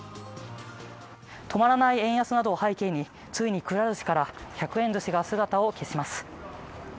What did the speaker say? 止まらない円安などを背景に、ついに、くら寿司から１００円ずしが姿を消します。